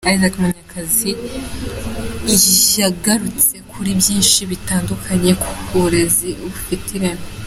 Isaac Munyakazi yagarutse kuri byinshi bitandukanye ku burezi bufite ireme.